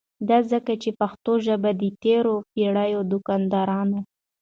دا ځکه چې پښتو ژبه د تیری پیړۍ دواکدارانو